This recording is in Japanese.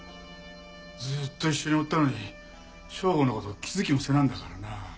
ずーっと一緒におったのに省吾の事気づきもせなんだからな。